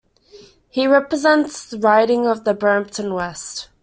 He represents the riding of Brampton West.